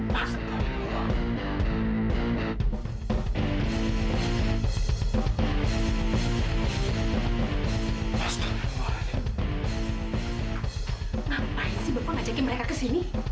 kenapa ibu ajakin mereka kesini